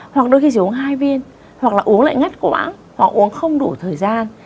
hoặc đôi khi chỉ uống hai viên hoặc là uống lại ngắt quãng hoặc uống không đủ thời gian